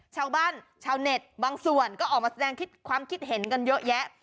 ชาวเน็ตบางส่วนก็ออกมาแสดงความคิดเห็นกันเยอะแยะ